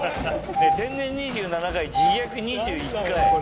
天然２７回自虐２１回。